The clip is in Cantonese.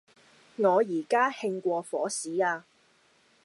我而家興過火屎呀